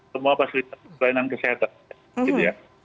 semua fasilitas pelayanan kesehatan